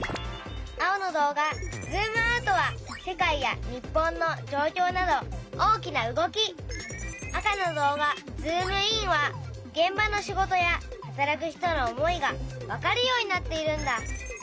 青の動画「ズームアウト」は世界や日本のじょうきょうなど大きな動き赤の動画「ズームイン」はげん場の仕事や働く人の思いがわかるようになっているんだ。